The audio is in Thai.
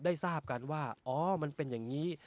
ได้ทราบกันว่าอ๋อมันเป็นอย่างนี้